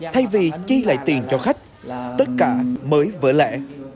trả tiền cho khách tất cả mới vỡ lẻ